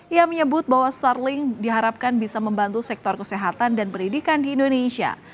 ia menyebut bahwa starling diharapkan bisa membantu sektor kesehatan dan pendidikan di indonesia